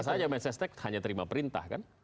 saja mensesnek hanya terima perintah kan